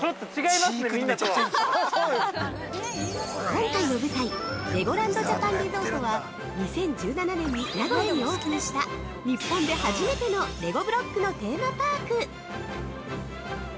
◆今回の舞台、レゴランド・ジャパン・リゾートは２０１７年に名古屋にオープンした日本で初めてのレゴブロックのテーマパーク。